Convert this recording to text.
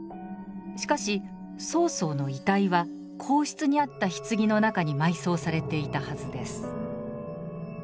しかし曹操の遺体は後室にあった棺の中に埋葬されていたはずです。